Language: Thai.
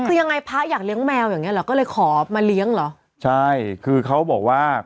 คือยังไงพระอยากเลี้ยงแมวอย่างเงี้เหรอก็เลยขอมาเลี้ยงเหรอใช่คือเขาบอกว่า